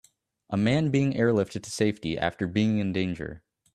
A man being airlifted to safety after being in danger